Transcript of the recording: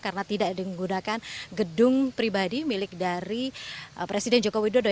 karena tidak digunakan gedung pribadi milik dari presiden joko widodo